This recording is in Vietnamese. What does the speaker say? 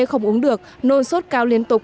không uống được nôn sốt cao liên tục